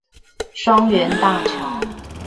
雙園大橋